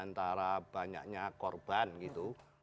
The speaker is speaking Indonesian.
antara banyaknya korban gitu